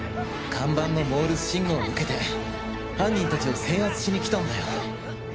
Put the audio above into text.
看板のモールス信号を受けて犯人達を制圧しに来たんだよ